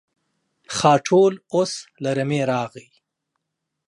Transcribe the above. خاټول اوس له رمې راغی.